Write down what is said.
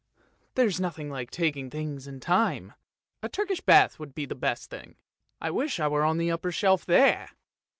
" There's nothing like taking things in time. A turkish bath would be the best thing. I wish I were on the upper shelf there!